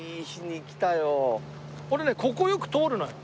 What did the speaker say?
俺ねここよく通るのよ。